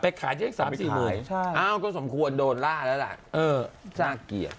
ไปขายที่อีก๓๔นึงอ้าวก็สมควรโดนล่าแล้วล่ะน่าเกลียด